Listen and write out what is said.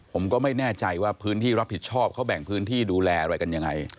ผมก็ไม่แน่ใจว่าพื้นที่รับผิดชอบเขาแบ่งพื้นที่ดูแลอะไรกันยังไง